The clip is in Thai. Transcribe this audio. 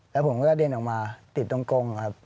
แล้วผมก็กระเด็นออกมาติดตรงกงครับ